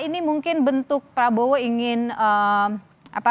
ini mungkin bentuk prabowo ingin membuat tidak ada tokoh politik yang diberikan